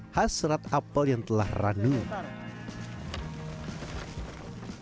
hasrat apel yang telah ranuh